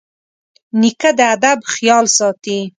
نیکه د ادب خیال ساتي.